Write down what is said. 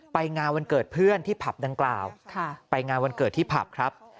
ไปงานวันเกิดเพื่อนที่ผับดังกล่าวไปงานวันเกิดที่ผับครับ